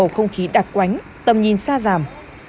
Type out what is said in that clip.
không khí đặc quánh tầm nhìn xa giảm